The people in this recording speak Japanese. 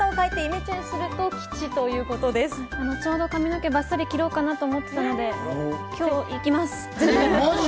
ちょうど髪の毛バッサリ切ろうかなと思ったので、今日行きます。